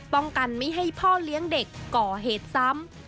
ป้องกันไม่ให้พ่อเลี้ยงเด็กก่อเหตุซ้ำ